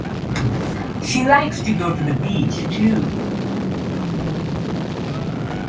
She likes to go to the beach too.